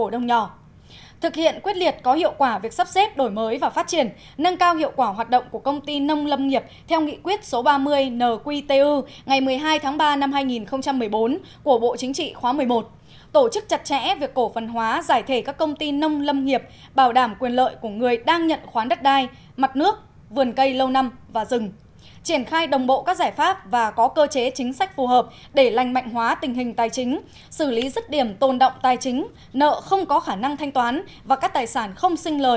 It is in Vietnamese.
đảm việc sắp xếp đổi mới và phát triển nâng cao hiệu quả hoạt động của công ty nông lâm nghiệp theo nghị quyết số ba mươi nqtu ngày một mươi hai tháng ba năm hai nghìn một mươi bốn của bộ chính trị khóa một mươi một tổ chức chặt chẽ việc cổ phân hóa giải thể các công ty nông lâm nghiệp bảo đảm quyền lợi của người đang nhận khoán đất đai mặt nước vườn cây lâu năm và rừng triển khai đồng bộ các giải pháp và có cơ chế chính sách phù hợp để lành mạnh hóa tình hình tài chính xử lý rứt điểm tồn động tài chính nợ không có khả năng thanh toán và các tài sản không sin